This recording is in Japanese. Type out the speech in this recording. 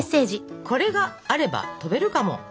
「これがあれば飛べるかも」。